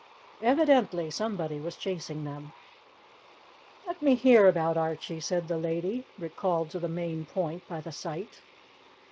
Evidently somebody was chasing them. "Let me hear about Archie," said the lady, recalled to the main point by the sight.